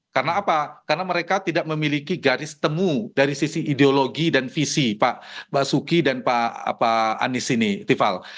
karena apa karena mereka tidak memiliki garis temu dari sisi ideologi dan visi pak suki dan pak andis tifal